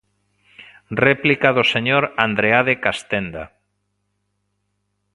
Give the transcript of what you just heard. Réplica do señor Andreade Castenda.